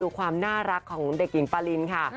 ความน่ารักของเด็กหญิงปารินค่ะ